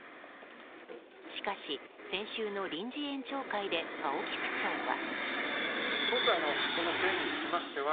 しかし、先週の臨時園長会で青木区長は。